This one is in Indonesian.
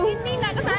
ini nggak kesana